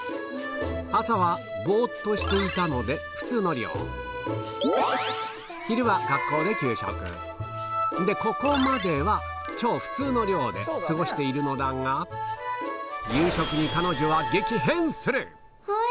朝はぼっとしていたので学校ででここまではの量で過ごしているのだが夕食に彼女は激変する！